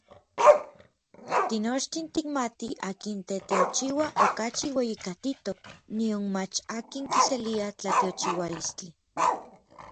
Tinochtin tikmatij akin teteochiua okachi ueyijkatitok nionmach akin kiselia tlateochiualistli.